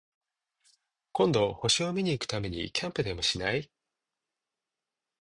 今度、星を見に行くためにキャンプでもしない？